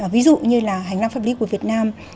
ví dụ như là hành lang pháp lý của việt nam